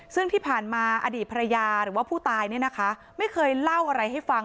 ซึ่งที่ผ่านมาอดีตภรรยาหรือว่าผู้ตายเนี่ยนะคะไม่เคยเล่าอะไรให้ฟัง